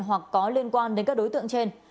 hoặc có liên quan đến các đối tượng trên